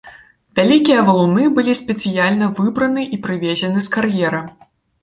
Вялікія валуны былі спецыяльна выбраны і прывезены з кар'ера.